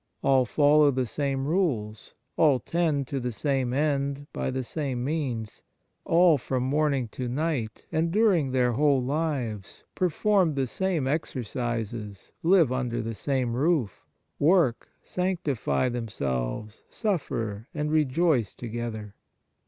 All follow the same rules ; all tend to the same end by the same means; all from morning to night, and during their whole lives, perform the same exercises, live under the same roof, work, sanctify them selves, suffer and rejoice together.